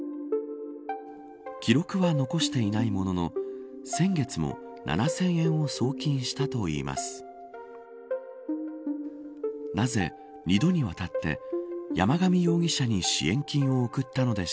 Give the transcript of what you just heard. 記録は残していないものの先月も７０００円を送金したといいます。